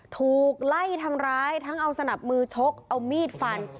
ถูกไล่ทำร้ายทั้งเอาสนับมือชกเอามีดฟัน